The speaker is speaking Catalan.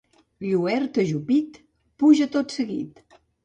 Lluert ajupit, pluja tot seguit.